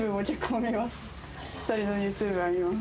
２人のＹｏｕＴｕｂｅは見ます。